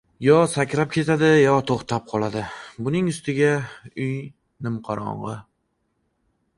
Yo sakrab ketadi, yo to‘xtab qoladi. Buning ustiga uy nimqorong‘i.